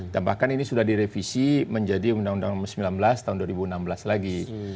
dan bahkan ini sudah direvisi menjadi undang undang nomor sembilan belas tahun dua ribu enam belas lagi